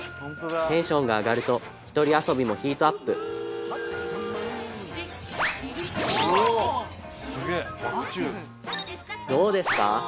テンションが上がるとひとり遊びもヒートアップどうですか？